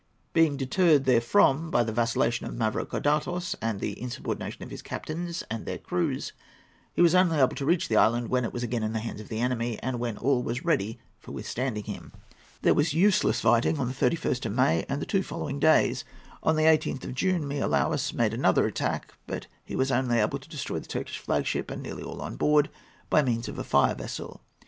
Being deterred therefrom by the vacillation of Mavrocordatos and the insubordination of his captains and their crews, he was only able to reach the island when it was again in the hands of the enemy, and when all was ready for withstanding him. There was useless fighting on the 31st of May and the two following days. On the 18th of June, Miaoulis made another attack; but he was only able to destroy the Turkish flag ship, and nearly all on board, by means of a fire vessel.